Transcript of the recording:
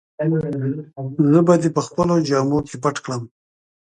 زه به دي په خپلو جامو کي پټ کړم.